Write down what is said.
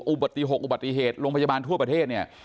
อุบัติ๖อุบัติเหตุโรงพยาบาลทั่วประเทศเนี่ย